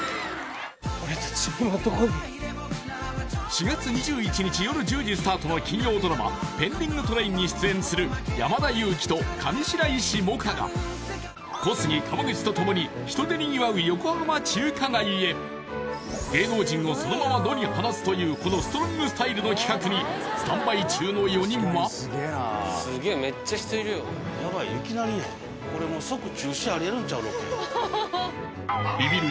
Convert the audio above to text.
俺達今どこに４月２１日よる１０時スタートの金曜ドラマ「ペンディングトレイン」に出演する山田裕貴と上白石萌歌が小杉・川口とともに芸能人をそのまま野に放つというこのストロングスタイルの企画にスタンバイ中の４人はビビる